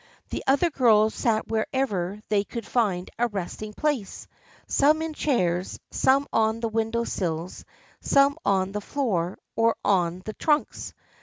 The other girls sat wherever they could find a resting place, some in chairs, some on the window sills, some on the floor or on the trunks.